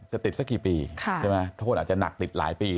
จะติดสักกี่ปีใช่ไหมโทษอาจจะหนักติดหลายปี